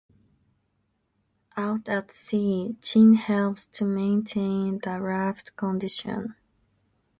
Out at sea, Jin helps to maintain the raft's condition.